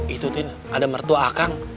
itu tin ada mertua akang